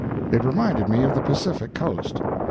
It reminded me of the Pacific Coast.